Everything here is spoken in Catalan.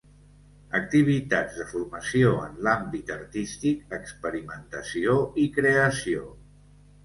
Activitats de formació en l'àmbit artístic, experimentació i creació.